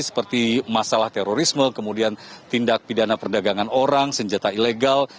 seperti masalah terorisme kemudian tindak pidana perdagangan orang senjata ilegal